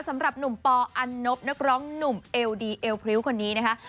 สำหรับหนุ่มปออันนบนักร้องหนุ่มเอวดีเอลพริ้วคนนี้นะคะ